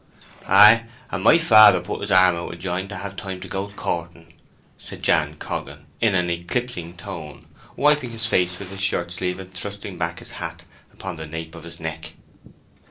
"Ay, and my father put his arm out of joint to have time to go courting," said Jan Coggan, in an eclipsing tone, wiping his face with his shirt sleeve and thrusting back his hat upon the nape of his neck.